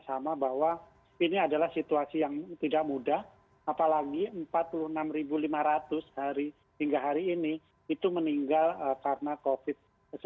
sama bahwa ini adalah situasi yang tidak mudah apalagi empat puluh enam lima ratus hingga hari ini itu meninggal karena covid sembilan belas